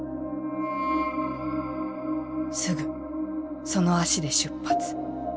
「すぐその足で出発。